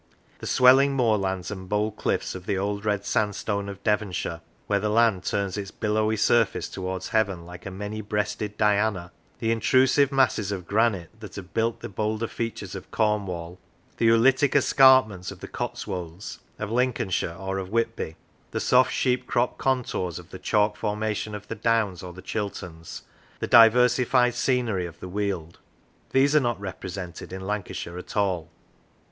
The swelling moorlands and bold cliffs of the Old Red Sandstone of Devonshire, where the land turns its billowy surface towards heaven like a many breasted Diana: the intrusive masses of granite that have built the bolder features of Cornwall: the oolitic escarpments of the Cotswolds, of Lincolnshire, or of Whitby: the soft sheep cropped contours of the chalk formation of the Downs or the Chilterns: the diversified scenery of the Weald: these are not repre sented in Lancashire at all.